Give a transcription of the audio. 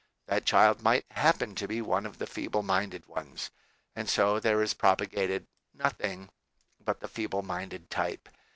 That child might hap WHAT IS TO BE DONE? 113 pen to be one of the feeble minded ones, and so there is propagated nothing but the feeble minded type.